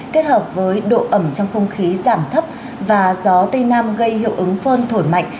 kết hợp với độ ẩm trong không khí giảm thấp và gió tây nam gây hiệu ứng phơn thổi mạnh